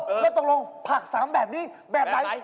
เออตรงผัก๓แบบนี้แบบไหน